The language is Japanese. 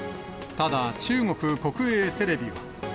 ただ、中国国営テレビは。